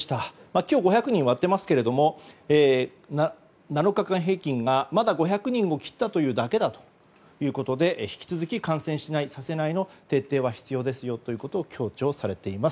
今日５００人を割っていますが７日平均がまだ５００人を切ったというだけだということで引き続き感染しない、させないの徹底は必要ですと強調されています。